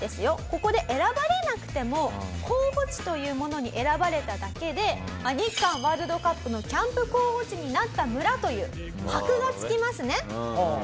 ここで選ばれなくても候補地というものに選ばれただけで日韓ワールドカップのキャンプ候補地になった村という箔が付きますね。